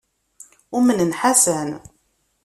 Umnen Ḥasan.